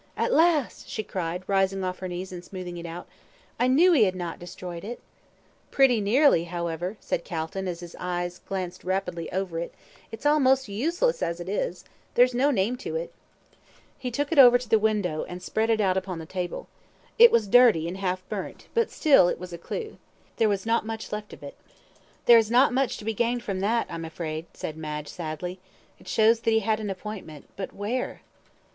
"At last," she cried, rising off her knees, and smoothing it out; "I knew he had not destroyed it." "Pretty nearly, however," said Calton, as his eye glanced rapidly over it; "it's almost useless as it is. There's no name to it." [Illustration: Fac simile of the letter] He took it over to the window, and spread it out upon the table. It was dirty, and half burnt, but still it was a clue. The above is a FAC SIMILE of the letter: "There is not much to be gained from that, I'm afraid," said Madge, sadly. "It shows that he had an appointment but where?"